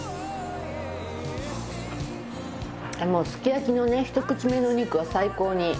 もうすき焼きの一口目のお肉が最高に。